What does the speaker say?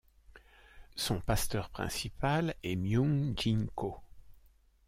Son pasteur principal est Myung Jin Ko.